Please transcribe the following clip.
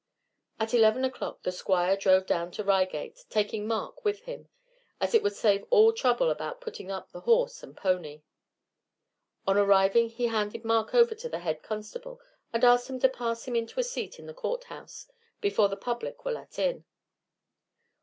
At eleven o'clock the Squire drove down to Reigate, taking Mark with him, as it would save all trouble about putting up the horse and pony. On arriving he handed Mark over to the head constable, and asked him to pass him into a seat in the courthouse, before the public were let in.